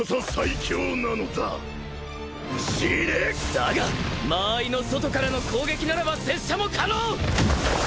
だが間合いの外からの攻撃ならば拙者も可能！